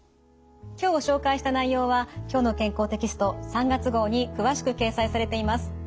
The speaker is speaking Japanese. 今日ご紹介した内容は「きょうの健康」テキスト３月号に詳しく掲載されています。